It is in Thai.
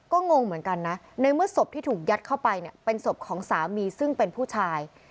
ก็งงเหมือนกันนะในเมื่อศพที่ถูกยัดเข้าไปเนี่ยเป็นศพของสามีซึ่งเป็นผู้ชาย